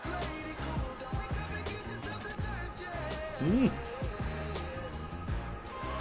うん。